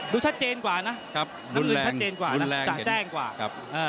ดูชัดเจนกว่านะน้ำเงินชัดเจนกว่านะจะแจ้งกว่า